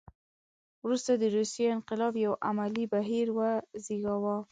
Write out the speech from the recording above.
وروسته د روسیې انقلاب یو عملي بهیر وزېږاوه.